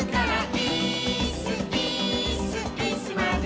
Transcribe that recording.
「イースイースイスまでも」